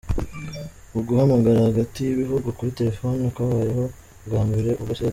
Uguhamagara hagati y’ibihugu kuri telefoni kwabayeho bwa mbere, ubwo St.